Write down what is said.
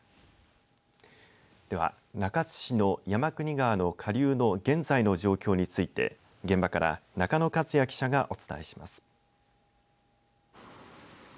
では、中津市の山国川の下流の現在の状況について現場から中野克哉記者がお伝えします。